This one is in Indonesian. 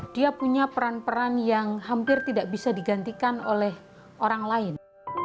dia punya peran peran yang hampir tidak bisa digantikan oleh orang lain